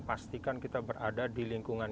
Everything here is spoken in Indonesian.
pastikan kita berada di lingkungan